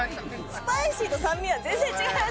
スパイシーと酸味は全然違います。